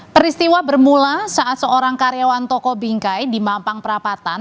peristiwa bermula saat seorang karyawan toko bingkai di mampang perapatan